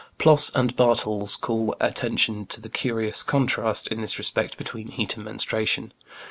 Ploss and Bartels call attention to the curious contrast, in this respect, between heat and menstruation.